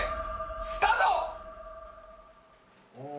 スタート！